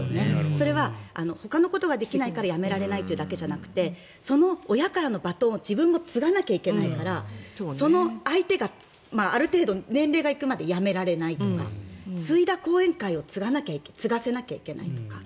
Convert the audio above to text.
それはほかのことができないから辞められないというだけじゃなくてその親からのバトンを自分も継がなきゃいけないからその相手がある程度年齢が行くまで辞められないとか継いだ後援会を継がせなきゃいけないとか。